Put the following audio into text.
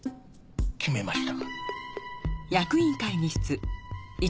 決めました。